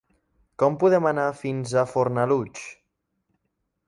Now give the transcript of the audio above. Com podem anar fins a Fornalutx?